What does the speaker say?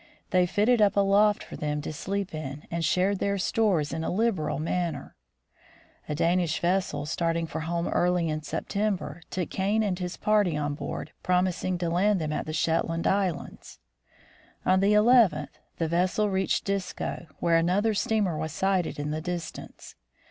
They fitted up a loft for them to sleep in and shared their stores in a liberal manner. A Danish vessel, starting for home early in September, took Kane and his party on board, promising to land them at the Shetland islands. On the nth the vessel reached Disco, where another steamer was sighted in the distance.